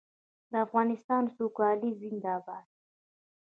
د افغانستان سوکالي زنده باد.